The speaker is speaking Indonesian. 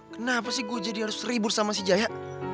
kenapa sih gue jadi harus ribut sama si jaya